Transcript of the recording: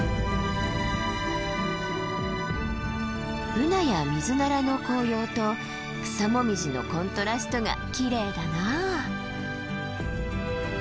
ブナやミズナラの紅葉と草紅葉のコントラストがきれいだなあ。